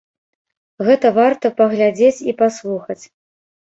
Гэта варта паглядзець і паслухаць.